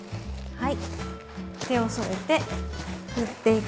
はい。